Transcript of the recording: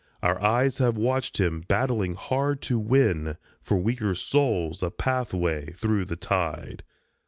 Our eyes have watched him, battling hard to win For weaker souls a pathway through the tide.